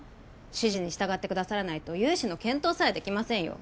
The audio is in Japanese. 指示に従ってくださらないと融資の検討さえできませんよ